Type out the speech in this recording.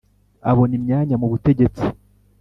Abona imyanya mu butegetsi